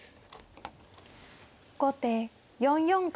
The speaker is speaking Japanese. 後手４四角。